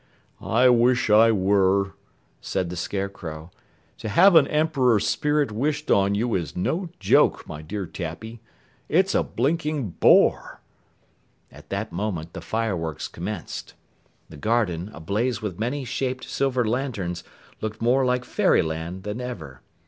"I wish I were," said the Scarecrow. "To have an Emperor's spirit wished on you is no joke, my dear Tappy. It's a blinking bore!" At that moment, the fireworks commenced. The garden, ablaze with many shaped silver lanterns, looked more like Fairyland than ever.